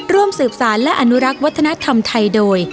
ร่วมสืบสารและอนุรักษ์วัฒนธรรมไทยโดย